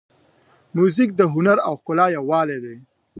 موزیک د هنر او ښکلا یووالی دی.